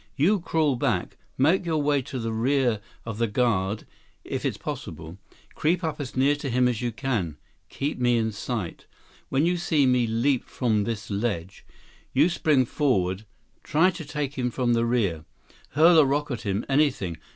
You crawl back. Make your way to the rear of the guard if it's possible. Creep up as near to him as you can. Keep me in sight. When you see me leap from this ledge, you spring forward. Try to take him from the rear. Hurl a rock at him, anything.